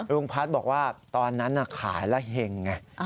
ลุงพัฒน์บอกว่าตอนนั้นขายแล้วเห็งไง